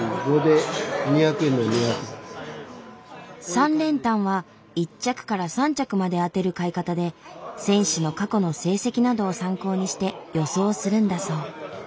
３連単は１着から３着まで当てる買い方で選手の過去の成績などを参考にして予想するんだそう。